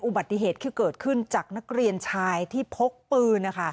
อุบัติเหตุที่เกิดขึ้นจากนักเรียนชายที่พกปืน